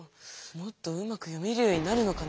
もっとうまく読めるようになるのかな？